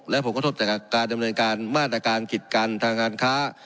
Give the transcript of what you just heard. และผลกระทบจากการดำเนินการมาตรการกิจกันทางการค้า